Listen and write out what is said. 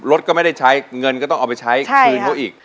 รถก็ไม่ได้ใช้เงินก็ต้องเอาไปใช้คืนเขาอีก